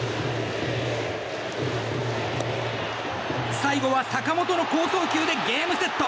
最後は坂本の好送球でゲームセット！